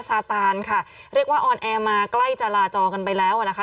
ซาตานค่ะเรียกว่าออนแอร์มาใกล้จะลาจอกันไปแล้วนะคะ